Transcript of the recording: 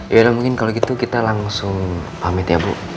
yaudah mungkin kalau gitu kita langsung pamit ya bu